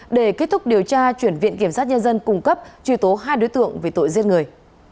để kết thúc điều tra chuyển viện kiểm sát nhân dân cung cấp truy tố hai đối tượng về tội giết người